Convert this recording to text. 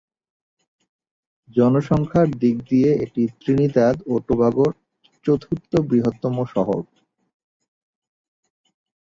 জনসংখ্যার দিক দিয়ে এটি ত্রিনিদাদ ও টোবাগোর চতুর্থ বৃহত্তম শহর।